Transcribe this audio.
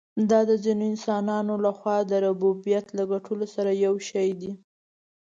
دا د ځینو انسانانو له خوا د ربوبیت له ګټلو سره یو شی دی.